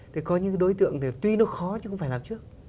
thì có những cái đối tượng thì tuy nó khó chứ không phải làm trước